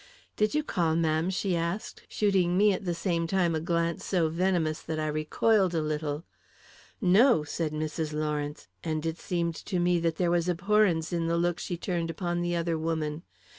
"Did you call, ma'am?" she asked, shooting me at the same time a glance so venomous that I recoiled a little. "No!" said Mrs. Lawrence, and it seemed to me that there was abhorrence in the look she turned upon the other woman.